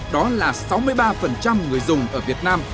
đó là sáu mươi ba người dùng ở việt nam